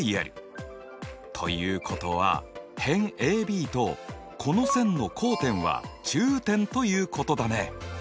ということは辺ＡＢとこの線の交点は中点ということだね。